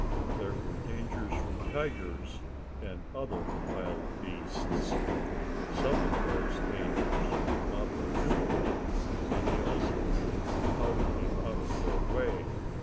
There were dangers from tigers and other wild beasts. Some of those dangers Mappo knew about, and he also knew how to keep out of their way.